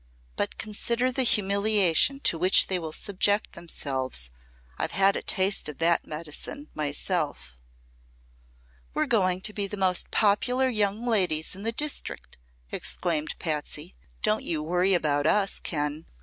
"But consider the humiliation to which they will subject themselves! I've had a taste of that medicine, myself." "We're going to be the most popular young ladies in this district!" exclaimed Patsy. "Don't you worry about us, Ken.